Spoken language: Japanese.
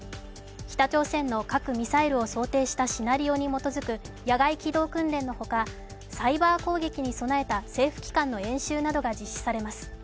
北朝鮮の核・ミサイルを想定したシナリオに基づく野外機動訓練のほか、サイバー攻撃に備えた政府機関の演習などが実施されます。